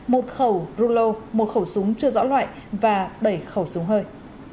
một khẩu rulo một khẩu súng chưa rõ loại và bảy khẩu súng hơi